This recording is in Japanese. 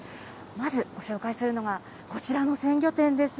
まずご紹介するのが、こちらの鮮魚店です。